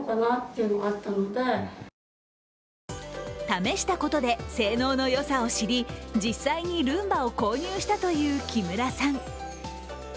試したことで性能のよさを知り、実際にルンバを購入したという木村さん。